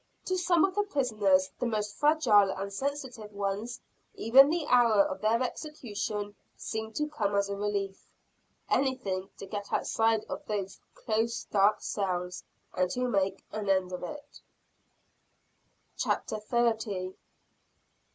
To some of the prisoners, the most fragile and sensitive ones, even the hour of their execution seemed to come as a relief. Anything, to get outside of those close dark cells and to make an end of it! CHAPTER XXX. Eight Legal Murders on Witch Hill.